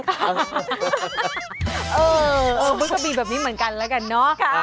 มันก็มีแบบนี้เหมือนกันแล้วกันเนอะ